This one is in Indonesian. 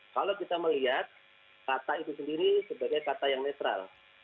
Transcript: kalau kita melihat kata itu sendiri sebagai kata yang netral